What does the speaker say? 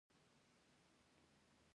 هغه ډیرې سختې جګړې وکړې